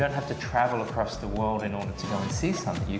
anda tidak perlu berjalan di seluruh dunia untuk melihat sesuatu